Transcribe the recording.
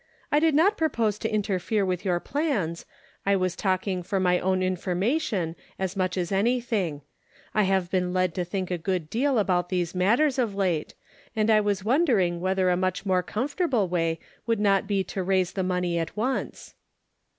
" I did not propose to interfere with your plans ; I was talking for my own information as much as anything ; I have been led to think a good deal about these matters of late, and I was wondering whether a much more comfortable way would not be to raise the money at once."